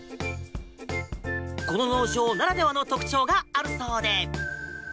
この農場ならではの特徴があるそうで。